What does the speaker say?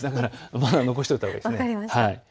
まだ残しておいたほうがいいです。